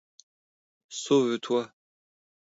Sauve-toi!